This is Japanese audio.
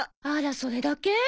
あらそれだけ？